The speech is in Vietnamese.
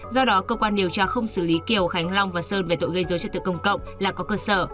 do đó cơ quan điều tra không xử lý kiều khánh long và sơn về tội gây dối trật tự công cộng là có cơ sở